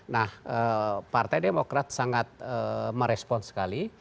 nah partai demokrat sangat merespon sekali